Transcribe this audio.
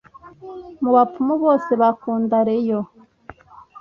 mubapfumu bose bakunda reyo